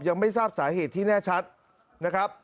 ยังไม่ทราบสาเหตุที่แน่ชัดนะครับ